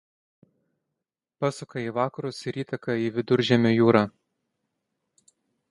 Pasuka į vakarus ir įteka į Viduržemio jūrą.